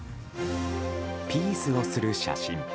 ピースをする写真。